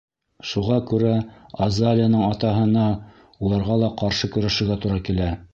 Шуға күрә Азалияның атаһына уларға ла ҡаршы көрәшергә тура килә.